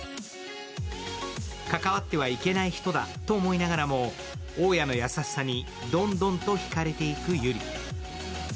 関わってはいけない人だと思いながらも桜夜の優しさにどんどんとひかれていくユリ。